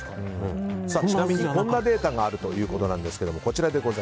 ちなみに、こんなデータがあるということです。